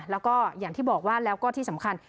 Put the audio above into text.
แล้วก็อย่างที่บอกว่าแล้วก็ที่สำคัญ